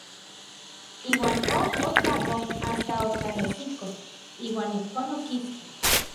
Iuan ok otlapoj asta otlanesiko; iuan ijkon okiski.